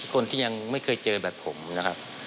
คนที่ยังไม่เคยเจอแบบผมนะครับ